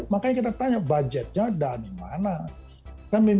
makanya kita tanya budgetnya ada di mana